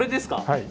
はい。